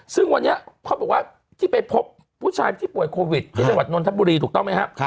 ซึ่งวันนี้เขาบอกว่าที่ไปพบผู้ชายที่ป่วยโควิดที่จังหวัดนนทบุรีถูกต้องไหมครับ